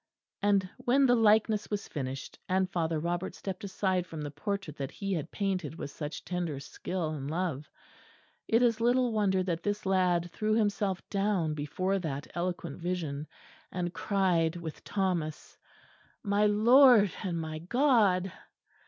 And when the likeness was finished, and Father Robert stepped aside from the portrait that he had painted with such tender skill and love, it is little wonder that this lad threw himself down before that eloquent vision and cried with Thomas, My Lord and my God!